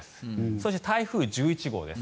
そして台風１１号です。